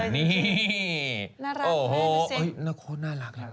นี่น่ารักแม่ดูสิ